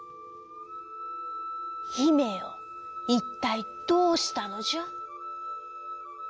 「ひめよいったいどうしたのじゃ？」。